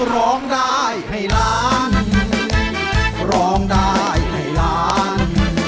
รอบได้อีกหลาน